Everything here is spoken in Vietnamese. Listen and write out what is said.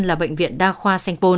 là bệnh viện đa khoa